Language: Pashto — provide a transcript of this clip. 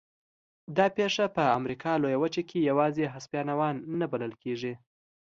دا پېښه په امریکا لویه وچه کې یوازې هسپانویان نه بلل کېږي.